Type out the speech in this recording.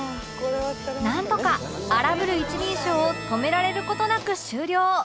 なんとか荒ぶる一人称を止められる事なく終了